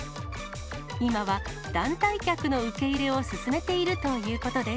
今は団体客の受け入れを進めているということです。